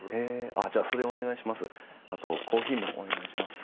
あっじゃあそれお願いします。